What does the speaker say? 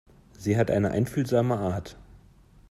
Sie hat eine einfühlsame Art.